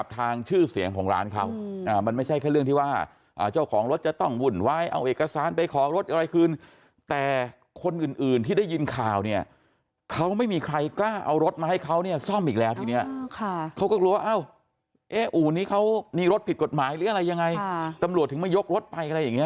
แต่คนอื่นที่ได้ยินข่าวเนี่ยเขาไม่มีใครกล้าเอารถมาให้เขาเนี่ยซ่อมอีกแล้วทีเนี่ยเขาก็รู้ว่าเอ้าเอ๊ออูนี้เขานี่รถผิดกฎหมายหรืออะไรยังไงตำรวจถึงมายกรถไปอะไรอย่างเงี้ย